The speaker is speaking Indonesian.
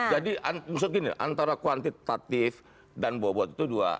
jadi maksud gini antara kuantitatif dan bobot itu dua